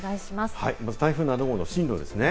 まず台風の進路ですね。